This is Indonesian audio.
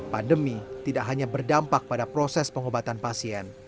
pandemi tidak hanya berdampak pada proses pengobatan pasien